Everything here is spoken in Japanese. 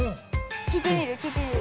聞いてみる聞いてみる。